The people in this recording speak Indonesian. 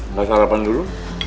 makan sarapan dulu